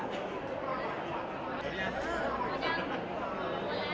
เพลงพี่หวาย